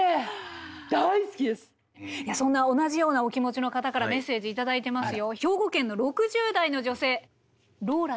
そんな同じようなお気持ちの方からメッセージ頂いてますよ。